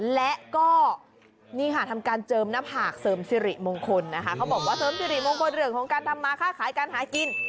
และก็นี่ค่ะทำการเจิมหน้าผากเสริมสิริมงคลนะคะเขาบอกว่าเสริมสิริมงคลเรื่องของการทำมาค่าขายการหากิน